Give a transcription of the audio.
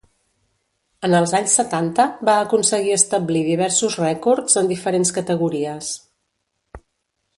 En els anys setanta va aconseguir establir diversos rècords en diferents categories.